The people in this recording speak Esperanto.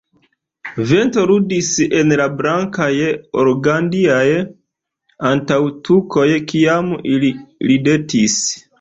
Vento ludis en la blankaj organdiaj antaŭtukoj kiam ili ridetis.